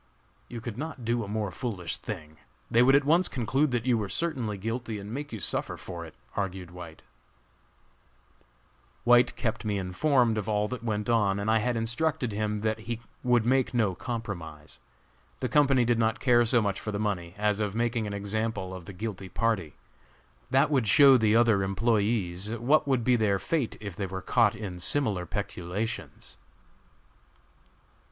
"You could not do a more foolish thing; they would at once conclude that you were certainly guilty, and make you suffer for it," argued White. White kept me informed of all that went on, and I had instructed him that we would make no compromise. The company did not care so much for the money, as of making an example of the guilty party. That would show the other employés what would be their fate if they were caught in similar peculations.